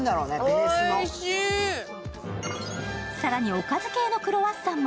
更に、おかず系のクロワッサンも。